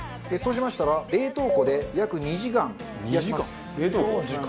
そうしましたら冷凍庫で約２時間冷やします。